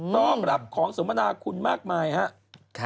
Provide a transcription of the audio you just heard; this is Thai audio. ต้องรับของสมนาคุณมากมายค่ะ